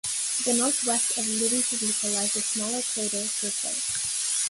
To the northwest of Levi-Civita lies the smaller crater Pirquet.